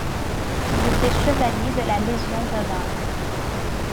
Il était Chevalier de la Légion d'honneur.